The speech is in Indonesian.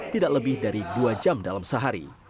tidak lebih dari dua jam dalam sehari